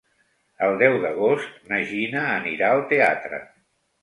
El deu d'agost na Gina anirà al teatre.